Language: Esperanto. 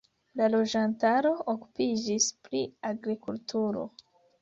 La loĝantaro okupiĝis pri agrikulturo.